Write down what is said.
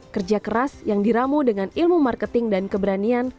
kerja keras yang diramu dengan ilmu marketing dan keberanian